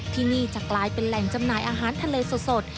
ที่นี่จะกลายเป็นแหล่งจำหน่ายอาหารทะเลสด